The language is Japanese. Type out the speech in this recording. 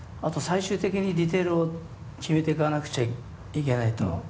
最終的にディテールを決めてかなくちゃいけないと。